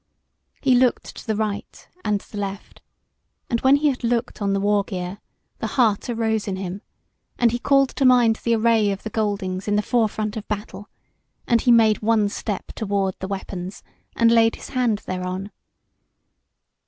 He looked to the right and the left, and when he had looked on the war gear, the heart arose in him, and he called to mind the array of the Goldings in the forefront of battle, and he made one step toward the weapons, and laid his hand thereon.